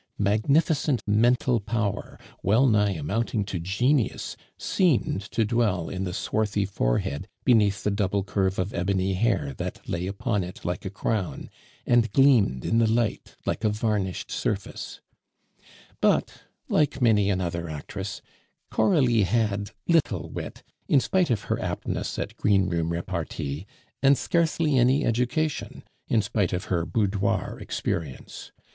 Magnificent mental power, well nigh amounting to genius, seemed to dwell in the swarthy forehead beneath the double curve of ebony hair that lay upon it like a crown, and gleamed in the light like a varnished surface; but like many another actress, Coralie had little wit in spite of her aptness at greenroom repartee, and scarcely any education in spite of her boudoir experience.